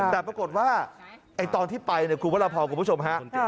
แต่ปรากฏว่าตอนที่ไปเนี่ยคุณพระราพรคุณผู้ชมฮะ